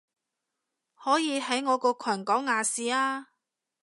可以喺我個群講亞視啊